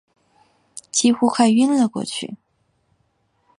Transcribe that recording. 几乎快晕了过去